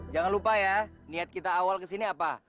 jangan lupa ya niat kita awal kesini apa